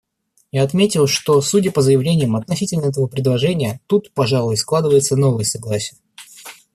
Я отметил, что, судя по заявлениям относительно этого предложения, тут, пожалуй, складывается новое согласие.